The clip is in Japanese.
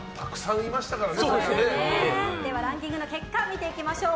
ランキングの結果見ていきましょう。